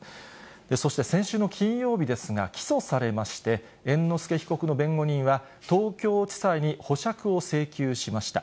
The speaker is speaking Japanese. そして先週の金曜日ですが、起訴されまして、猿之助被告の弁護人は、東京地裁に保釈を請求しました。